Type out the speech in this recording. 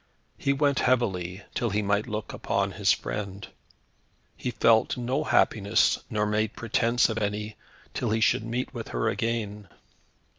He went heavily, till he might look upon his friend. He felt no happiness, nor made pretence of any, till he should meet with her again.